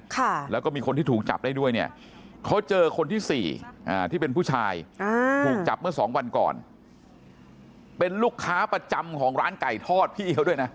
ค่ะแล้วก็มีคนที่ถูกจับได้ด้วยเนี่ยเขาเจอคนที่สี่อ่าที่เป็นผู้ชายอ่าถูกจับเมื่อสองวันก่อนเป็นลูกค้าประจำของร้านไก่ทอดพี่เขาด้วยนะ